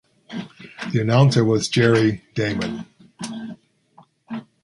The announcer was Jerry Damon.